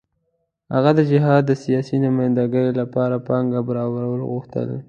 هغه د جهاد د سیاسي نمايندګۍ لپاره پانګه برابرول غوښتل.